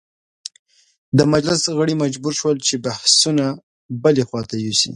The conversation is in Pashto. د مجلس غړي مجبور شول چې بحثونه بلې خواته یوسي.